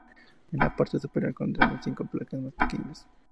En la parte superior encontramos cinco placas más pequeñas.